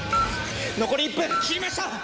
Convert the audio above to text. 残り１分切りました！